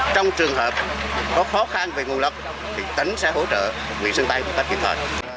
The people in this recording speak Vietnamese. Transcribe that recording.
trong trường hợp có khó khăn về ngu lập thì tấn sẽ hỗ trợ quỹ sân tay tất cả các trường hợp